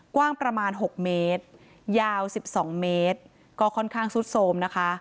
กว้างประมาณ๖เมตรยาว๑๒เมตรก็ค่อนข้างซุดโทรมนะคะ